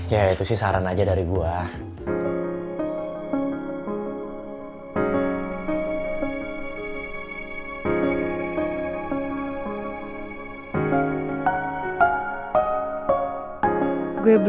ya itu sih saran aja dari gue